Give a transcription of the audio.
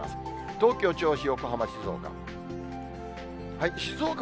東京、銚子、横浜、静岡。